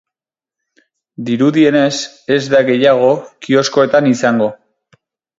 Dirudienez, ez da gehiago kioskoetan izango.